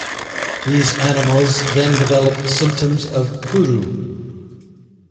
These animals then developed symptoms of kuru.